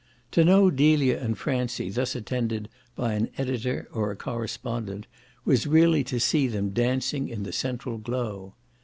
To know Delia and Francie thus attended by an editor or a correspondent was really to see them dancing in the central glow.